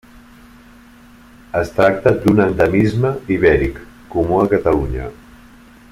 Es tracta d'un endemisme ibèric, comú a Catalunya.